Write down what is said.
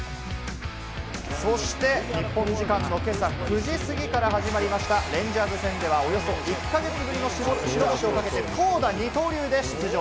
そして日本時間の今朝９時過ぎから始まりましたレンジャーズ戦では、およそ１か月ぶりの白星をかけて投打二刀流で出場。